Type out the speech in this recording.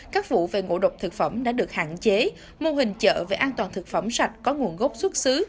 các vụ về ngộ độc thực phẩm đã được hạn chế mô hình chợ về an toàn thực phẩm sạch có nguồn gốc xuất xứ